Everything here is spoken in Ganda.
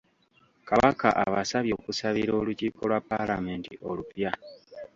Kabaka abasabye okusabira olukiiko lwa Palamenti olupya.